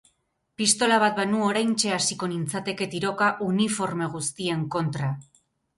Pistola bat banu, oraintxe hasiko nintzateke tiroka uniforme guztien kontra.